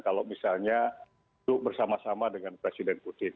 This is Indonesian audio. kalau misalnya duduk bersama sama dengan presiden putin